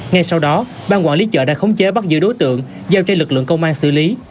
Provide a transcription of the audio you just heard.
ngay sau đó ban quản lý chợ đã khống chế bắt giữ đối tượng giao cho lực lượng công an xử lý